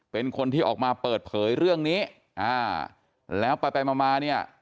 เป็นคนที่ออกมาเปิดเผยเรื่องนี้อ่าแล้วไปไปมามาเนี่ย